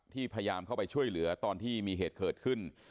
พยายามเข้าไปช่วยเหลือตอนที่มีเหตุเกิดขึ้น